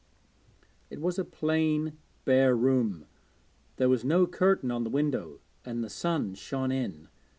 It was a plain bare room; there was no curtain on the window and the sun shone in.